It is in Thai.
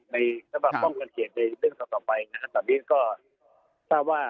ในสภาพป้องกันเขตในเรื่องต่อไปนะครับ